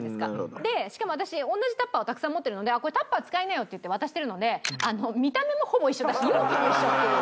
でしかも私同じタッパーをたくさん持ってるのでこれタッパー使いなよって言って渡してるので見た目もほぼ一緒だし容器も一緒っていう。